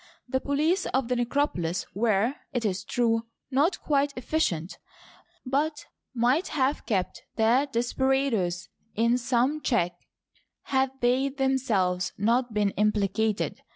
The police of the necropolis were, it is true, not quite efficient, but might have kept the desperadoes in some check had they themselves not been implicated.